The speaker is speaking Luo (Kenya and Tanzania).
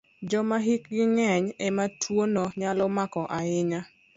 Joma hikgi ng'eny e ma tuwono nyalo mako ahinya.